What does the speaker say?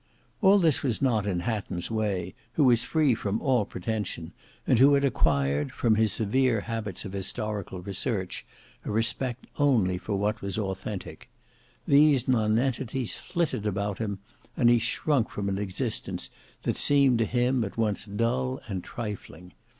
All this was not in Hatton's way, who was free from all pretension, and who had acquired, from his severe habits of historical research, a respect only for what was authentic. These nonentities flitted about him, and he shrunk from an existence that seemed to him at once dull and trifling.